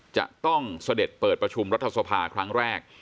จะต้องเสด็จเปิดประชุมรัฐสภาครั้งแรก